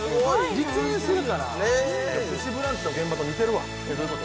実演するから「プチブランチ」の現場と似てるわどういうこと？